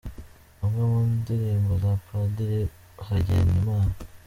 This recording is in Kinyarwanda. Imwe mu ndirimbo za Padiri Hagenimana.